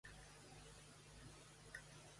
A Alemanya quants tests en van fer?